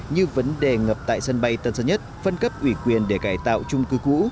như vấn đề ngập tại sân bay tân sơn nhất phân cấp ủy quyền để cải tạo trung cư cũ